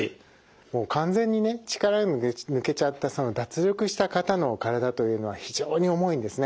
もう完全にね力が抜けちゃった脱力した方の体というのは非常に重いんですね。